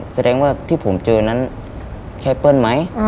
แสดงว่าที่ผมเจอนั้นใช่เปิ้ลไหม